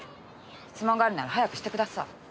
質問があるなら早くしてください。